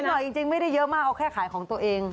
หน่อยจริงไม่ได้เยอะมากเอาแค่ขายของตัวเอง